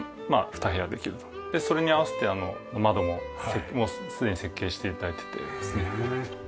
それに合わせて窓もすでに設計して頂いててですね。